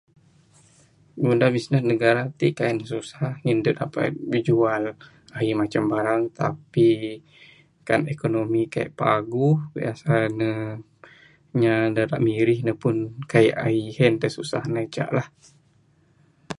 Ngundah bisnes da negara ti kaik ne susah ngin dep dapat bijual ahi macam barang tapi kan ekonomi kaik paguh biasa ne inya da ra mirih ne pun kaik ahi en da susah ne aja lah.